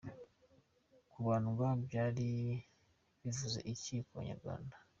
Kubandwa byari bivuze iki ku Banyarwanda.